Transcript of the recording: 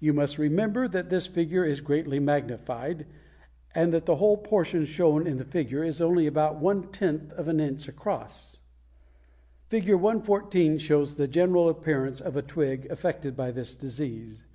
You must remember that this figure is greatly magnified, and that the whole portion shown in the figure is only about one tenth of an inch across. Fig. 114 shows the general appearance of a twig affected by this disease.